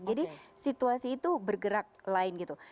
jadi situasi itu bergerak lain gitu